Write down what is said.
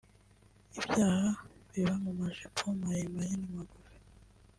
Ibyaha biba mu majipo maremare n’amagufi